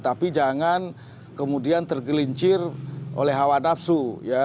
tapi jangan kemudian tergelincir oleh hawa nafsu